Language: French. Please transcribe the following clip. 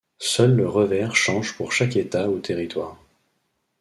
Seul le revers change pour chaque État ou Territoire.